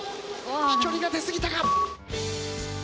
飛距離が出すぎたか。